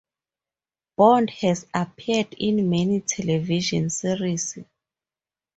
Bond has appeared in many television series.